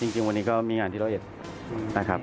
จริงวันนี้ก็มีงานที่ร้อยเอ็ดนะครับ